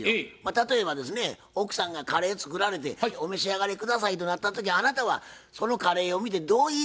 例えばですね奥さんがカレー作られてお召し上がり下さいとなった時あなたはそのカレーを見てどう言いだしますか？